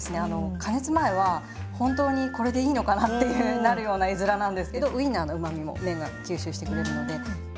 加熱前は本当にこれでいいのかなってなるような絵面なんですけどウインナーのうまみも麺が吸収してくれるので。